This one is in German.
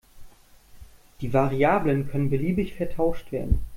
Die Variablen können beliebig vertauscht werden.